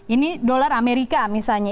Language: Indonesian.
ini dolar amerika misalnya